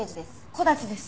木立です。